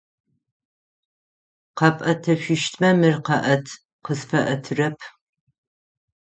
Къэпӏэтышъущтмэ мыр къэӏэт, къысфэӏэтырэп.